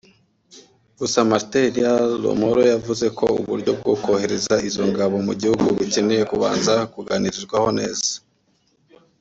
Gusa Martin Elia Lomoro yavuze ko uburyo bwo kohereza izo ngabo mu gihugu bukeneye kubanza kuganirwaho neza